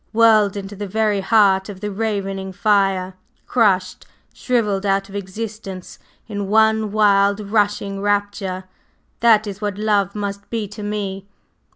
Whirled into the very heart of the ravening fire, crushed, shrivelled out of existence in one wild, rushing rapture that is what Love must be to me!